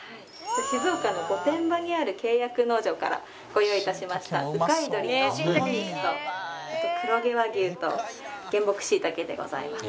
静岡の御殿場にある契約農場からご用意致しましたうかいどりのもも肉とあと黒毛和牛と原木しいたけでございます。